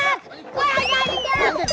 wah ada anjing galah